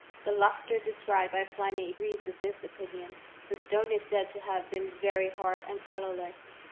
The lustre described by Pliny agrees with this opinion. The stone is said to have been very hard and colourless.